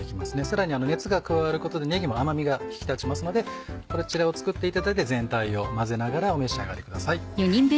さらに熱が加わることでねぎも甘みが引き立ちますのでこちらを作っていただいて全体を混ぜながらお召し上がりください。